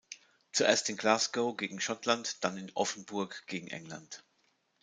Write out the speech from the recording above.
Zuerst in Glasgow gegen Schottland, dann in Offenburg gegen England.